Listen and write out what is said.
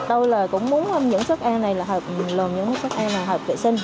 tôi là cũng muốn những suất ăn này là hợp lồn những suất ăn là hợp vệ sinh